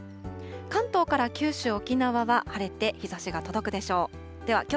関東から九州、沖縄は晴れて日ざしが届くでしょう。